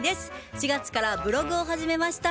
４月からブログを始めました。